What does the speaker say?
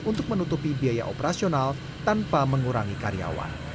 untuk menutupi biaya operasional tanpa mengurangi karyawan